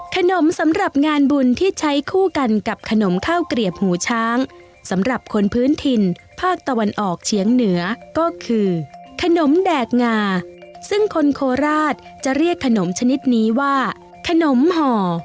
สำหรับงานบุญที่ใช้คู่กันกับขนมข้าวเกลียบหูช้างสำหรับคนพื้นถิ่นภาคตะวันออกเฉียงเหนือก็คือขนมแดกงาซึ่งคนโคราชจะเรียกขนมชนิดนี้ว่าขนมห่อ